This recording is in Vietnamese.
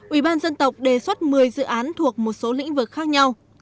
ủy ban dân tộc đề xuất một mươi dự án thuộc một số lĩnh vực khác nhau